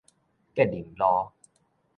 吉林路